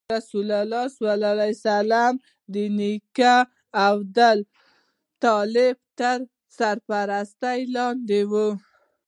رسول الله ﷺ د نیکه عبدالمطلب تر سرپرستۍ لاندې و.